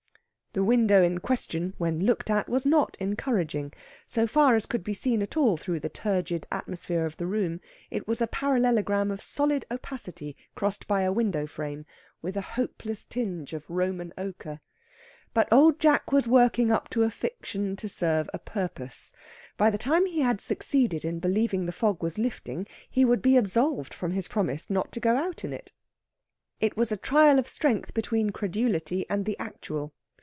The window in question, when looked at, was not encouraging. So far as could be seen at all through the turgid atmosphere of the room, it was a parallelogram of solid opacity crossed by a window frame, with a hopeless tinge of Roman ochre. But Old Jack was working up to a fiction to serve a purpose. By the time he had succeeded in believing the fog was lifting he would be absolved from his promise not to go out in it. It was a trial of strength between credulity and the actual.